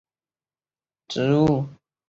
黄脉爵床为爵床科黄脉爵床属的植物。